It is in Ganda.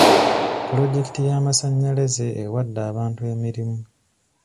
Pulojekiti y'amasannyalaze ewadde abantu emirimu.